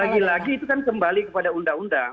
lagi lagi itu kan kembali kepada undang undang